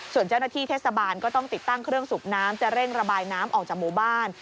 ส่วนเจ้าหน้าที่เทศบาลก็ต้องติดตั้งเครื่องสูบน้ำจะเร่งระบายน้ำออกจากหมู่บ้าน